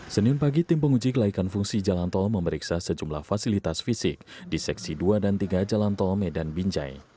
senin pagi tim penguji kelaikan fungsi jalan tol memeriksa sejumlah fasilitas fisik di seksi dua dan tiga jalan tol medan binjai